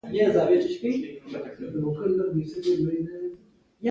د خدای کارونه ګوره!